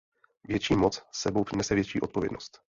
Větší moc s sebou nese větší odpovědnost.